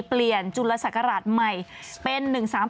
เปลี่ยนจุลศักราชใหม่เป็น๑๓๘๑